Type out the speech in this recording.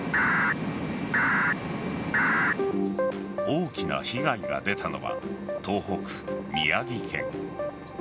大きな被害が出たのは東北・宮城県。